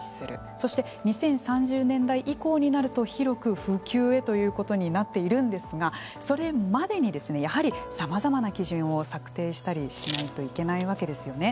そして２０３０年代以降になると広く普及へということになっているんですがそれまでにやはりさまざまな基準を策定したりしないといけないわけですよね。